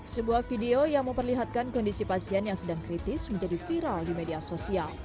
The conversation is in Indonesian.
sebuah video yang memperlihatkan kondisi pasien yang sedang kritis menjadi viral di media sosial